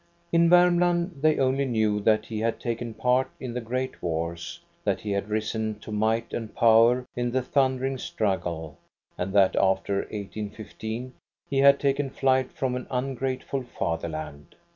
In Varm land they only knew that he had taken part in the great wars, that he had risen to might and power in the thundering struggle, and that after 1815 he had taken flight from an ungrateful fatherland.